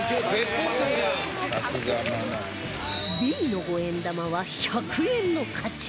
Ｂ の５円玉は１００円の価値